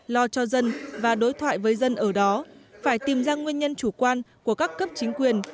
lo cho dân và đối thoại với dân ở đó phải tìm ra nguyên nhân chủ quan của các cấp chính quyền